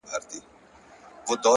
پوهه له تجربو رنګ اخلي،